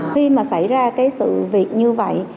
khi mà xảy ra cái sự việc như vậy